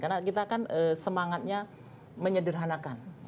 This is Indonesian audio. karena kita kan semangatnya menyederhanakan